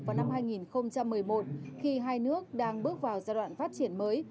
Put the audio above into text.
vào năm hai nghìn một mươi một khi hai nước đang bước vào giai đoạn phát triển mới